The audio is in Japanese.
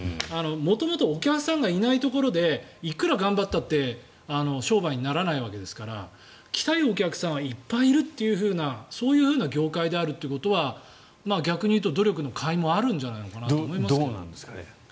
元々、お客さんがいないところでいくら頑張ったって商売にならないわけですから来たいお客さんはいっぱいいるというそういう業界であるということは逆に言うと努力のかいもあるのかなと思いますがね。